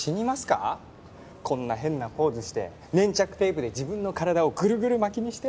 こんな変なポーズして粘着テープで自分の体をぐるぐる巻きにして？